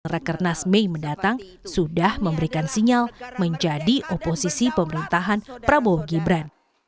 rekernas mei mendatang sudah memberikan sinyal menjadi oposisi pemerintahan prabowo gibran